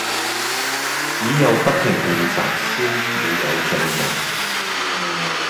只有不停練習先會有進步